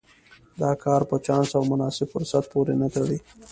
دا کار په چانس او مناسب فرصت پورې نه تړي.